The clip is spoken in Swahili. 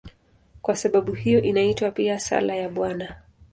Kwa sababu hiyo inaitwa pia "Sala ya Bwana".